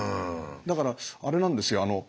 だからあれなんですよ。